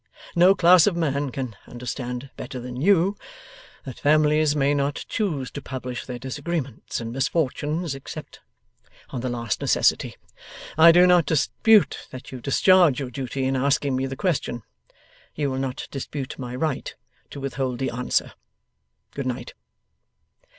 No class of man can understand better than you, that families may not choose to publish their disagreements and misfortunes, except on the last necessity. I do not dispute that you discharge your duty in asking me the question; you will not dispute my right to withhold the answer. Good night.